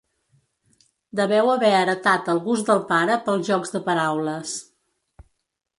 Deveu haver heretat el gust del pare pels jocs de paraules.